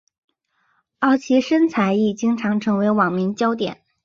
而其身材亦经常成为网民焦点。